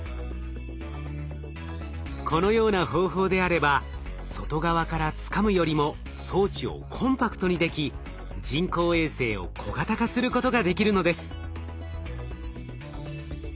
このような方法であれば外側からつかむよりも装置をコンパクトにでき人工衛星を小型化することができるのです。